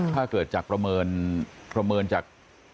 ถ้าเกิดจากประเมินประเมินจาก